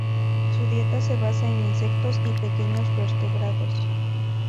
Su dieta se basa en insectos y pequeños vertebrados.